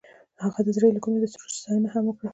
هغې د زړه له کومې د سرود ستاینه هم وکړه.